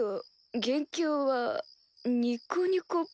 元凶はニコニコプ。